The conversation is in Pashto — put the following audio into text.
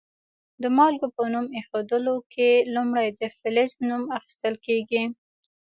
د مالګو په نوم ایښودلو کې لومړی د فلز نوم اخیستل کیږي.